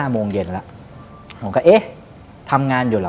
โมงเย็นแล้วผมก็เอ๊ะทำงานอยู่เหรอ